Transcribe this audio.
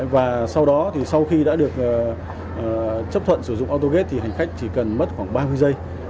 và sau đó thì sau khi đã được chấp thuận sử dụng autogate thì hành khách chỉ cần mất khoảng ba mươi giây